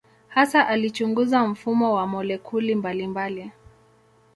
Hasa alichunguza mfumo wa molekuli mbalimbali.